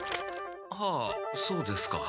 はあそうですか。